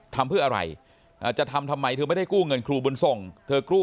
ทำเพื่ออะไรจะทำทำไมเธอไม่ได้กู้เงินครูบุญส่งเธอกู้